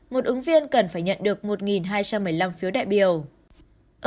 một ứng viên cần phải nhận được một hai trăm một mươi năm phiếu đại biểu